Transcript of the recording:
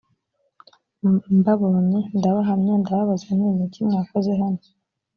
mbabonye ndabahamya ndababaza nti ni iki mwakoze hano‽